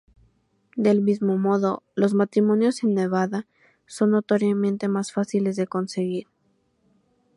Del mismo modo, los matrimonios en Nevada son notoriamente más fáciles de conseguir.